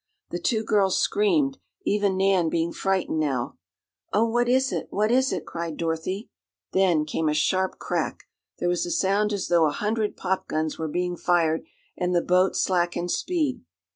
The two girls screamed, even Nan being frightened now. "Oh, what is it? What is it?" cried Dorothy. Then came a sharp crack. There was a sound as though a hundred pop guns were being fired, and the boat slackened speed.